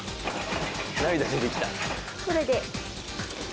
これで。